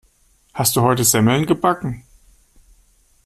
Hast du heute Semmeln gebacken?